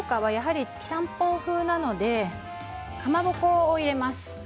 ちゃんぽん風なのでかまぼこを入れます。